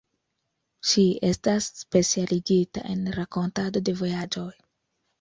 Ŝi estas specialigita en rakontado de vojaĝoj.